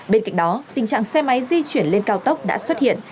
bên cạnh đó tình trạng xe máy di chuyển lên cao tốc đã xuất hiện